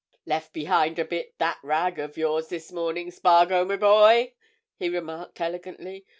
"Left behind a bit, that rag of yours, this morning, Spargo, my boy!" he remarked elegantly.